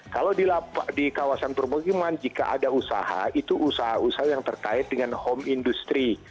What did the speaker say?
kalau di kawasan permukiman jika ada usaha itu usaha usaha yang terkait dengan home industry